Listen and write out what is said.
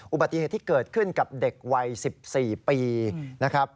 อุบัติเหตุที่เกิดขึ้นกับเด็กวัย๑๔ปีนะครับ